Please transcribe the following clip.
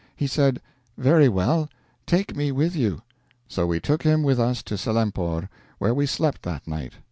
He said, 'Very well, take me with you.' So we took him with us to Selempore, where we slept that night.